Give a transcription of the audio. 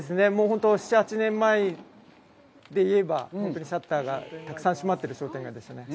本当に７８年前で言えば、本当にシャッターがたくさん閉まってる商店街でしたね。